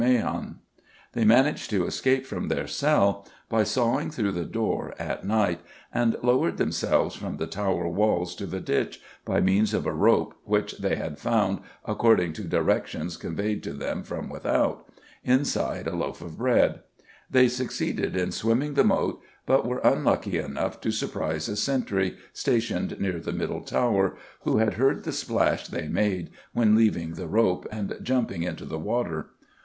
[Illustration: MIDDLE TOWER (WEST FRONT), NOW THE ENTRANCE TO THE TOWER BUILDINGS, BUT FORMERLY SURROUNDED BY THE MOAT] They managed to escape from their cell by sawing through the door, at night, and lowered themselves from the Tower walls to the ditch by means of a rope which they had found, according to directions conveyed to them from without, inside a loaf of bread. They succeeded in swimming the Moat, but were unlucky enough to surprise a sentry, stationed near the Middle Tower, who had heard the splash they made when leaving the rope and jumping into the water.